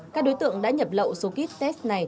các đối tượng đã nhập lậu số kit test này